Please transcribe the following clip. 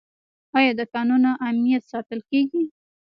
آیا د کانونو امنیت ساتل کیږي؟